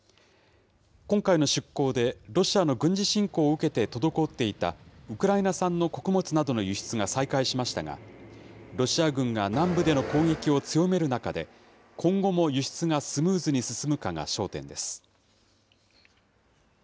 今回の出港で、ロシアの軍事侵攻を受けて滞っていたウクライナ産の穀物などの輸出が再開しましたが、ロシア軍が南部での攻撃を強める中で、今後も輸出がスムーズに進むかが焦点です。